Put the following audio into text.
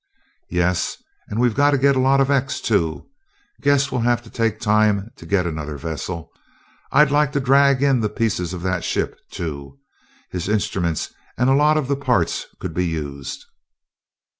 "Yes, and we've got to get a lot of 'X', too. Guess we'll have to take time to get another vessel. I'd like to drag in the pieces of that ship, too his instruments and a lot of the parts could be used."